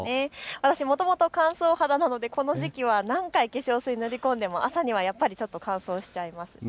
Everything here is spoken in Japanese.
私もともと乾燥肌なのでこの時期は何回化粧水を塗り込んでも朝にはやっぱりちょっと乾燥しちゃいます。